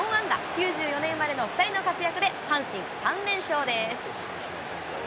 ９４年生まれの２人の活躍で阪神、３連勝です。